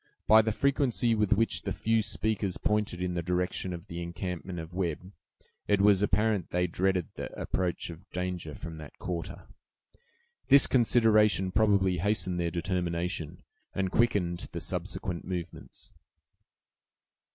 By the frequency with which the few speakers pointed in the direction of the encampment of Webb, it was apparent they dreaded the approach of danger from that quarter. This consideration probably hastened their determination, and quickened the subsequent movements.